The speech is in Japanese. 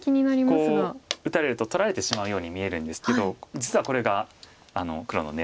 こう打たれると取られてしまうように見えるんですけど実はこれが黒の狙いでして。